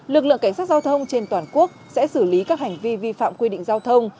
lực lượng cảnh sát giao thông trên toàn quốc sẽ xử lý các hành vi vi phạm quy định giao thông